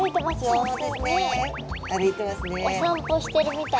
お散歩してるみたい。